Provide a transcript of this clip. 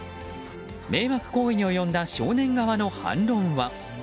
迷惑行為に及んだ少年側の反論は？